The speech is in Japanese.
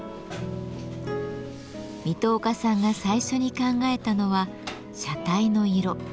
水戸岡さんが最初に考えたのは車体の色。